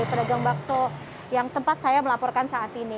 pedagang bakso yang tempat saya melaporkan saat ini